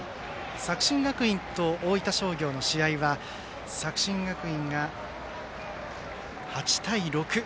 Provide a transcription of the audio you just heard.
作新学院と大分商業の試合は作新学院が８対６。